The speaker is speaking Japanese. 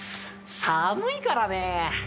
寒いからね。